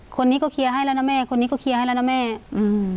คนนี้ก็เคลียร์ให้แล้วนะแม่คนนี้ก็เคลียร์ให้แล้วนะแม่อืม